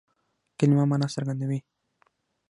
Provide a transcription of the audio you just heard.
کلیمه مانا څرګندوي.